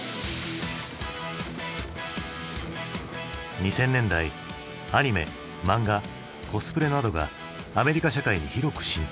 ２０００年代アニメ漫画コスプレなどがアメリカ社会に広く浸透する。